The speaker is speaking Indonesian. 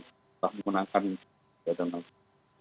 kita memenangkan badan masyarakat